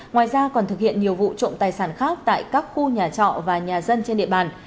ngoài ra còn thực hiện nhiều vụ trộm tài sản khác tại các khu nhà trọ và nhà dân trên địa bàn